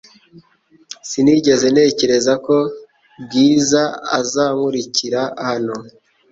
Sinigeze ntekereza ko Bwiza azankurikira hano .